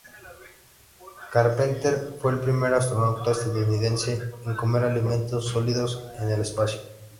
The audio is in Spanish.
Carpenter fue el primer astronauta estadounidense en comer alimentos sólidos en el espacio.